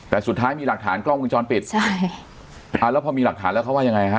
แต่สุดท้ายมีหลักฐานกล้องวงจรปิดใช่อ่าแล้วพอมีหลักฐานแล้วเขาว่ายังไงฮะ